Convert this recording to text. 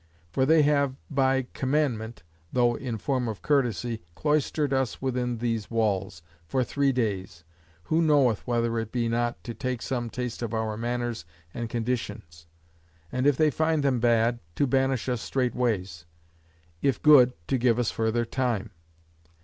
For they have by commandment, (though in form of courtesy) cloistered us within these wall, for three days: who knoweth, whether it be not, to take some taste of our manners and conditions? And if they find them bad, to banish us straightways; if good, to give us further time.